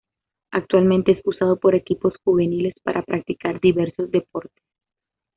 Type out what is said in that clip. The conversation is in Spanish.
Actualmente es usado por equipos juveniles para practicar diversos deportes.